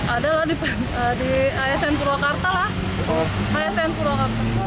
ada lah di asn purwakarta lah